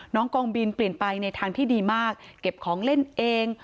กองบินเปลี่ยนไปในทางที่ดีมากเก็บของเล่นเอง